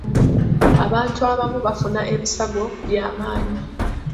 Abantu abamu bafuna ebisago by'amaanyi.